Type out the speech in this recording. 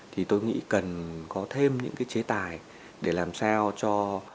thì tôi nghĩ cần có thêm những cái chế tài để làm sao cho